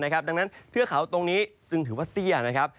ดังนั้นเทือเขาตรงนี้ถึงถือว่าเตี้ย